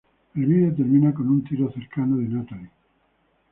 El video termina con un tiro cercano de Natalie.